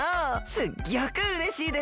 すっギョくうれしいですよ。